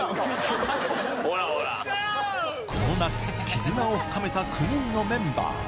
おっ、この夏、絆を深めた９人のメンバー。